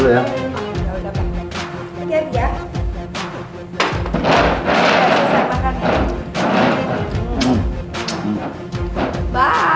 dia matem matem saya